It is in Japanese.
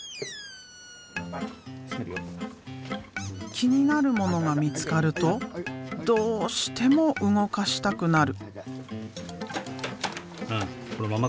気になるものが見つかるとどうしても動かしたくなる。